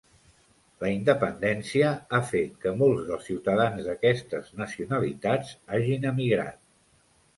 La independència ha fet que molts dels ciutadans d'aquestes nacionalitats hagin emigrat.